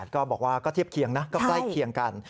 ก็บอกว่าก็เทียบเคียงนะก็ใกล้เคียงกัน